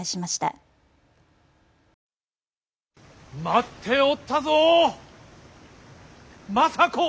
待っておったぞ政子！